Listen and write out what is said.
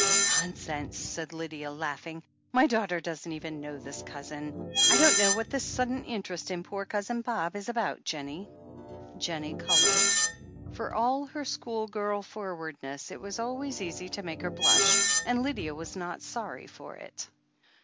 "Nonsense," said Lydia, laughing. "My daughter doesn't even know this cousin. I don't know what this sudden interest in poor Cousin Bob is about, Jennie/' THE HEEL OF ACHILLES 359 Jennie coloured. For all her schoolgirl forwardness, it was always easy to make her blush, and Lydia was not sorry for it.